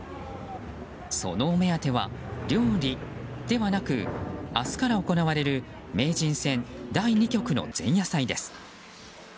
そのお目当ては料理ではなく明日から行われる名人戦第２局の前夜祭です。